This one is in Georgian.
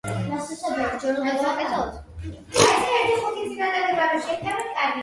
დამახასიათებელია დედამიწის ქერქის დაშორება.